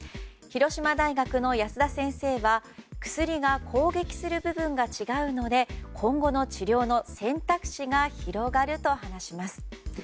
広島大学の保田先生は薬が攻撃する部分が違うので今後の治療の選択肢が広がると話します。